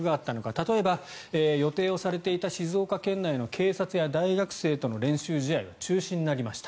例えば予定されていた静岡県内の警察や大学生との練習試合が中止になりました。